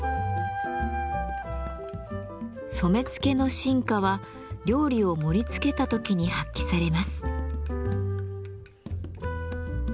染付の真価は料理を盛りつけた時に発揮されます。